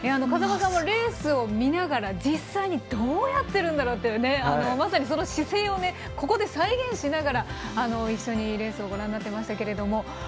風間さんもレースを見ながら、実際にどうやっているんだろうってまさに姿勢をここで再現しながら一緒にレースをご覧になってましたけれども。